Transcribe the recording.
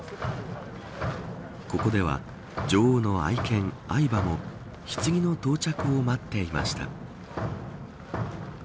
ここでは女王の愛犬、愛馬もひつぎの到着を待っていました。